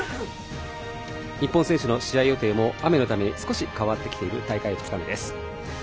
日本選手の試合予定も雨のために少し変わってきている大会２日目です。